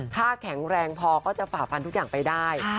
ถ้าแข็งแรงพอก็จะฝ่าฟันทุกอย่างไปได้